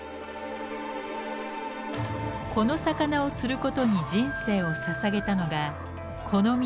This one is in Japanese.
この魚を釣ることに人生をささげたのがこの道